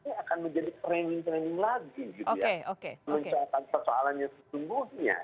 menuncangkan persoalannya sesungguhnya gitu